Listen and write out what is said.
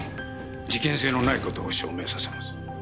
事件性のない事を証明させます。